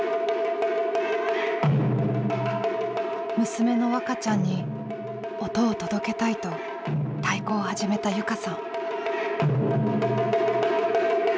娘の和花ちゃんに音を届けたいと太鼓を始めた祐加さん。